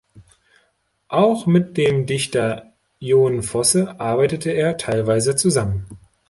Auch mit dem Dichter Jon Fosse arbeitete er teilweise zusammen.